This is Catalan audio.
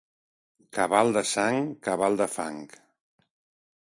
Cabal de sang, cabal de fang.